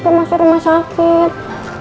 mas rendy masuk rumah sakit